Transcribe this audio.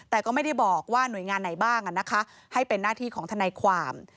แต่ก็ไม่ได้บอกว่าหน่วยงานไหนบ้างให้เป็นหน้าที่ของทนายความ